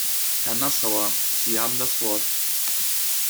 Herr Nassauer, Sie haben das Wort.